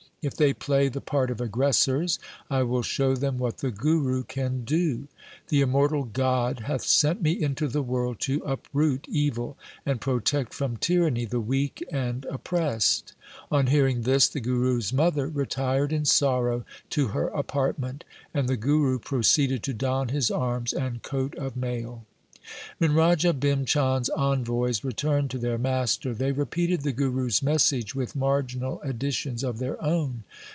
If they play the part of aggressors, I will show them what the Guru can do. The immor tal God hath sent me into the world to uproot evil and protect from tyranny the weak and oppressed.' On hearing this the Guru's mother retired in sorrow to her apartment, and the Guru proceeded to don his arms and coat of mail. When Raja Bhim Chand's envoys returned to their master, they repeated the Guru's message with marginal additions of their own.